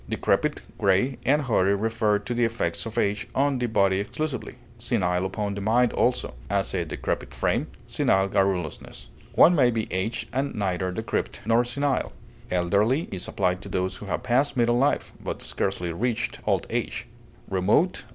Decrepit, gray, and hoary refer to the effects of age on the body exclusively; senile upon the mind also; as, a decrepit frame, senile garrulousness. One may be aged and neither decrepit nor senile. Elderly is applied to those who have passed middle life, but scarcely reached old age. Remote (L.